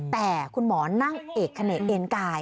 แต่คุณหมอนั่งเอกเขนกเอ็นกาย